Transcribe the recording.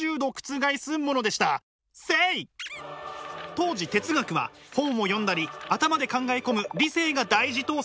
当時哲学は本を読んだり頭で考え込む理性が大事とされていました。